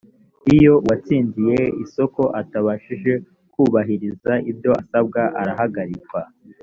iyo uwatsindiye isoko atabashije kubahiriza ibyo asabwa arahagarikwa